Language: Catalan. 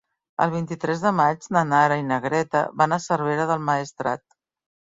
El vint-i-tres de maig na Nara i na Greta van a Cervera del Maestrat.